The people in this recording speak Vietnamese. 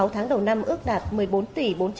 sáu tháng đầu năm ước đạt một mươi bốn tỷ